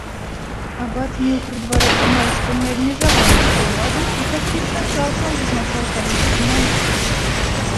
Абат меў пры двары амаль што неабмежаваную ўладу і практычна цалкам вызначаў палітыку манарха.